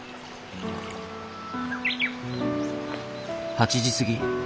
８時過ぎ。